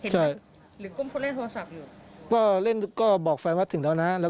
ใช่หรือก้มเขาเล่นโทรศัพท์อยู่ก็เล่นก็บอกแฟนว่าถึงแล้วนะแล้ว